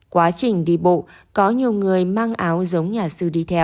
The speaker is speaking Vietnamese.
quá trình đi bộ có nhiều người mang áo giống nhà sư đi theo